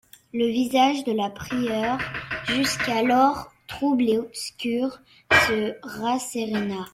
Le visage de la prieure, jusqu'alors trouble et obscur, se rasséréna.